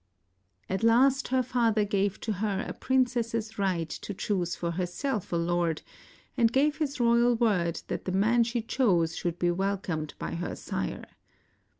At last her father gave to her a princess's right to choose for herself a lord, and gave his royal word that the man she chose should be welcomed by her sire.